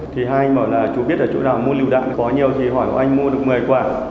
thì hai anh bảo là chú biết ở chỗ nào mua liệu đạn có nhiều thì hỏi của anh mua được một mươi quả